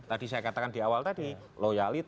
tadi saya katakan di awal tadi loyalitas